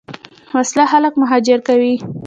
وسله خلک مهاجر کوي